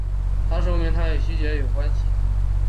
也说明他们与西突厥有关系。